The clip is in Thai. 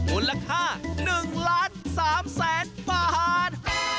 อุณหภาค๑๓ล้านบาท